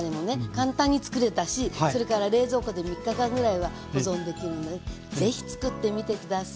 簡単につくれたしそれから冷蔵庫で３日間ぐらいは保存できるので是非つくってみて下さい。